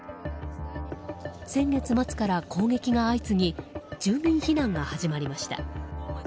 先月末から攻撃が相次ぎ住民避難が始まりました。